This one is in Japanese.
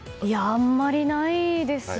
あまりないですね。